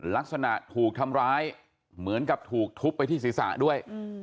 ลักษณะถูกทำร้ายเหมือนกับถูกทุบไปที่ศีรษะด้วย